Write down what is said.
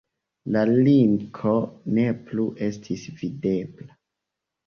La linko ne plu estis videbla.